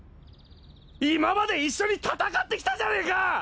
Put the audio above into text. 今まで一緒に戦ってきたじゃねえか！